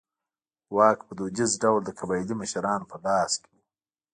واک په دودیز ډول د قبایلي مشرانو په لاس کې و.